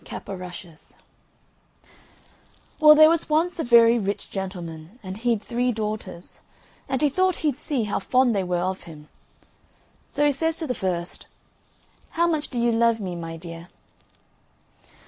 _) CAP O' RUSHES Well, there was once a very rich gentleman, and he'd three daughters, and he thought he'd see how fond they were of him. So he says to the first, "How much do you love me, my dear?"